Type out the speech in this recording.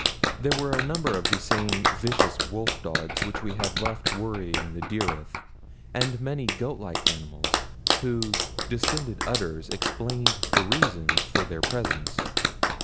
There were a number of the same vicious wolf dogs which we had left worrying the dyryth, and many goatlike animals whose distended udders explained the reasons for their presence.